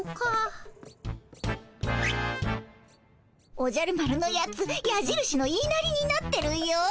おじゃる丸のやつやじるしの言いなりになってるよ。